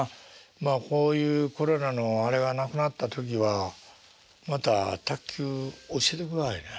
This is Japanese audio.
まあこういうコロナのあれがなくなった時はまた卓球教えてくださいね。